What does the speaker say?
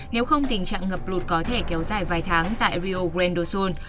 nếu không tình trạng ngập lụt có thể kéo dài vài tháng tại rio grande do sul